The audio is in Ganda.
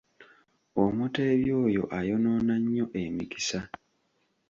Omuteebi oyo ayonoona nnyo emikisa.